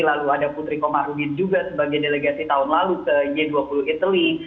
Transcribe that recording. lalu ada putri komarugin juga sebagai delegasi tahun lalu ke j dua puluh italy